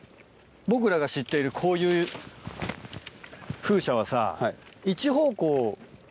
僕らが知っているこういう風車はさ。